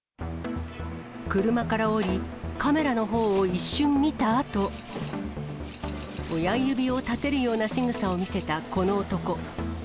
車から降り、カメラのほうを一瞬見たあと、親指を立てるようなしぐさを見せたこの男。